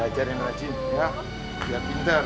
belajarin rajin ya biar pinter